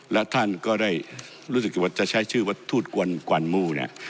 และท่านก็ได้รู้สึกว่าจะใช้ชื่อว่าทูตกวันมู่เนี่ย